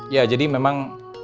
ya jadi memang